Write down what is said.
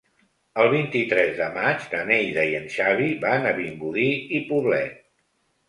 El vint-i-tres de maig na Neida i en Xavi van a Vimbodí i Poblet.